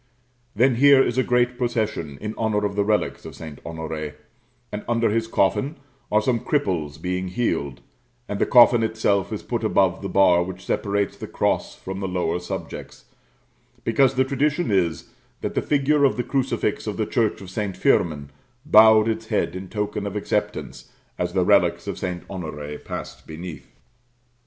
Then here is a great procession in honour of the relics of St. Honoré; and under his coffin are some cripples being healed; and the coffin itself is put above the bar which separates the cross from the lower subjects, because the tradition is that the figure on the crucifix of the Church of St. Firmin bowed its head in token of acceptance, as the relics of St. Honoré passed beneath.